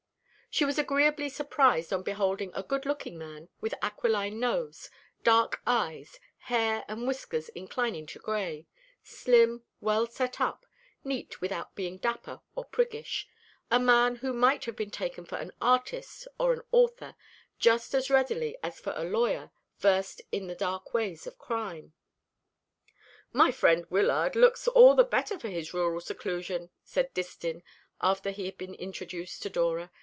She was agreeably surprised on beholding a good looking man, with aquiline nose, dark eyes, hair and whiskers inclining to gray, slim, well set up, neat without being dapper or priggish a man who might have been taken for an artist or an author, just as readily as for a lawyer versed in the dark ways of crime. "My friend Wyllard looks all the better for his rural seclusion," said Distin, after he had been introduced to Dora.